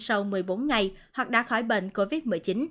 sau một mươi bốn ngày hoặc đã khỏi bệnh covid một mươi chín